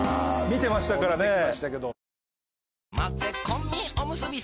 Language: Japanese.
見てましたからね。